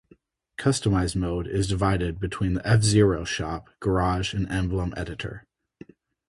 Customize mode is divided between the F-Zero Shop, Garage, and Emblem Editor.